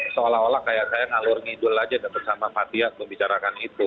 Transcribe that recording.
seolah olah kayak saya ngalur ngidul saja dengan sama fathia membicarakan itu